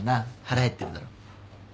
腹減ってるだろ？